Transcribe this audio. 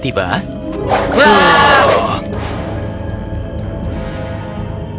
itu menara untuk keluarga yang tinggal di sini